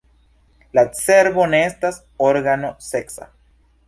La cerbo ne estas organo seksa.